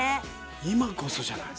今こそじゃない？